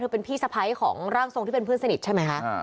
เป็นพี่สะพ้ายของร่างทรงที่เป็นเพื่อนสนิทใช่ไหมคะ